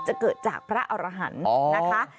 จะเกิดจากพระอรหารนะคะ